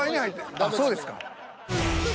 あっそうですか。